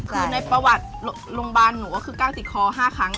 คือในประวัติโรงพยาบาลหนูก็คือกล้างติดคอ๕ครั้ง